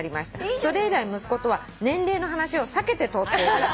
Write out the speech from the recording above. それ以来息子とは年齢の話をさけて通っているんです」